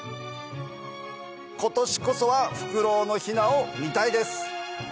今年こそはフクロウのヒナを見たいです！